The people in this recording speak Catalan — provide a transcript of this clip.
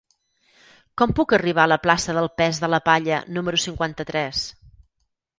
Com puc arribar a la plaça del Pes de la Palla número cinquanta-tres?